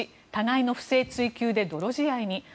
１互いの不正追及で泥仕合に。